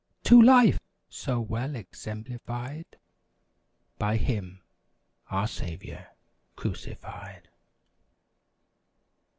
To LIFE! So well exemplified By Him—our Saviour, crucified!